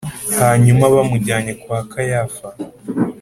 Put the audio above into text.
Hanyuma bamujyanye kwa Kayafa